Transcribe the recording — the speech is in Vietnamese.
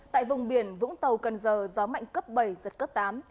tại vùng biển vũng tàu cần giờ gió mạnh cấp bảy giật cấp tám